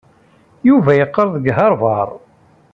Yuba yeqqar deg Harvard.